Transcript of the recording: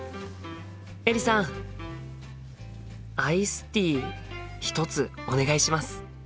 アイスティー１つお願いします。